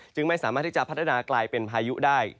ไม่สามารถที่จะพัฒนากลายเป็นพายุได้